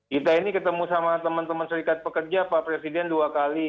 kita ini ketemu sama teman teman serikat pekerja pak presiden dua kali